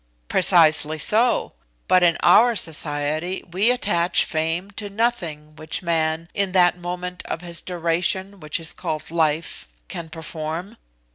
"Precisely so. But in our society we attach fame to nothing which man, in that moment of his duration which is called 'life,' can perform.